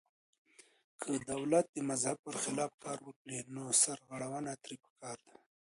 که دولت د مذهب پر خلاف کار وکړي نو سرغړونه ترې پکار ده.